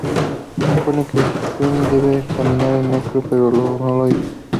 Se supone que Twelve debe exterminar a Necro, pero no lo hizo.